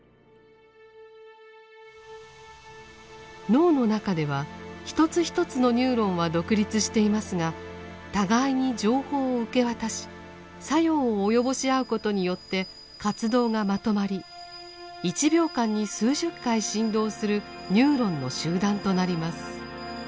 脳の中では一つ一つのニューロンは独立していますが互いに情報を受け渡し作用を及ぼし合うことによって活動がまとまり１秒間に数十回振動するニューロンの集団となります。